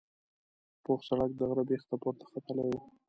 پوخ سړک د غره بیخ ته پورته ختلی و.